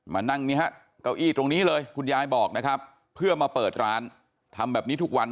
มานั่งนี่ฮะเก้าอี้ตรงนี้เลยคุณยายบอกนะครับเพื่อมาเปิดร้านทำแบบนี้ทุกวัน